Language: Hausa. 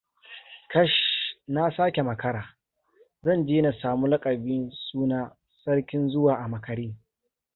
Kash! Na sake makara!! Zan je na samu laƙabi suna 'Sarkin zuwa a makare'.